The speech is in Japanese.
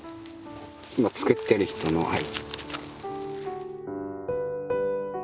作ってる人の愛。